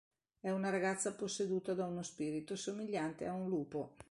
È una ragazza posseduta da uno spirito somigliante a un lupo.